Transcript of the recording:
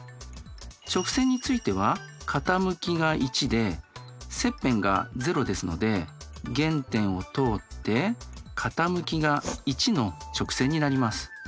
直線については傾きが１で切片が０ですので原点を通って傾きが１の直線になります。